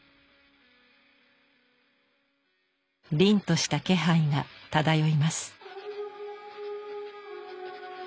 凛とした気配が漂います。